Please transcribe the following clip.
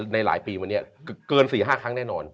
ในหลายปีมานี้เกิน๔๕ครั้งแน่นอน